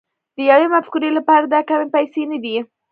د يوې مفکورې لپاره دا کمې پيسې نه دي.